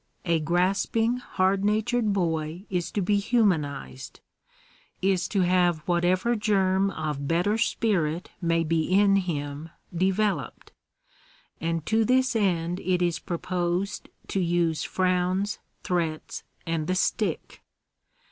A grasping hard natured boy is to be humanized — is to have whatever germ of better spirit may be in him developed ; and to this end it is proposed to use frowns, threats, and the stick